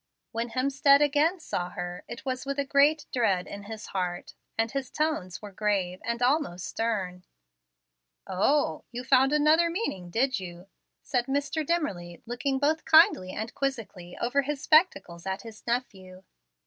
When Hemstead again saw her it was with a great dread in his heart, and his tones were grave and almost stern. "O h h, you found out another meaning, did you?" said Mr. Dimmerly, looking both kindly and quizzically over his spectacles at his nephew.